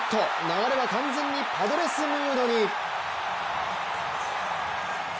流れは完全にパドレスムードに。